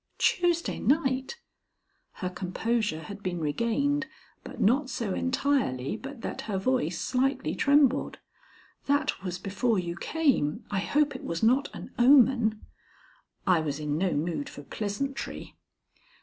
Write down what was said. "Tuesday night!" Her composure had been regained, but not so entirely but that her voice slightly trembled. "That was before you came. I hope it was not an omen." I was in no mood for pleasantry.